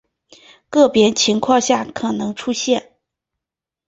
个别情况下可能出现。